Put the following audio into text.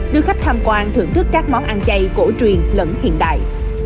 đưa khách tham quan thưởng thức các món ăn chay cổ truyền lẫn hiện đại